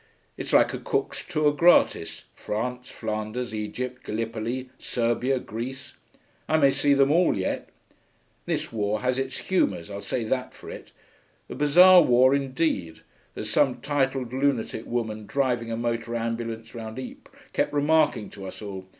It's like a Cook's tour gratis. France, Flanders, Egypt, Gallipoli, Serbia, Greece.... I may see them all yet. This war has its humours, I'll say that for it. A bizarre war indeed, as some titled lunatic woman driving a motor ambulance round Ypres kept remarking to us all.